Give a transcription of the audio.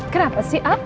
kenapa sih el